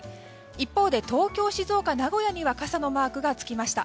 一方で東京、静岡、名古屋には傘のマークが付きました。